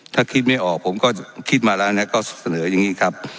ถ้าคิดไม่ออกผมก็คิดมาแล้วนะก็เสนออย่างนี้ครับ